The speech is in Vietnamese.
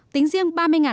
tính riêng ba mươi xe tăng